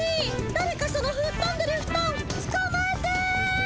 だれかそのふっとんでるフトンつかまえて！